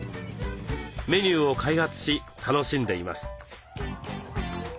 メニューを開発し楽しんでいます。